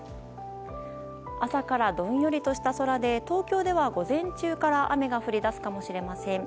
朝からどんよりとした空で東京では午前中から雨が降り出すかもしれません。